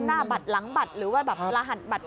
หน้าบัตรหลังบัตรหรือว่าแบบรหัสบัตร